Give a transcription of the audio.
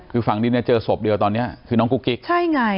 คือฝังดินเจอศพเดียวตอนนี้คือน้องกุ๊กกิ๊ก